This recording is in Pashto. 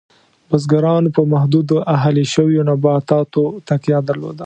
بزګرانو په محدودو اهلي شویو نباتاتو تکیه درلود.